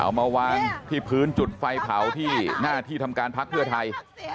มาวางที่พื้นจุดไฟเผาที่หน้าที่ทำการพักเพื่อไทย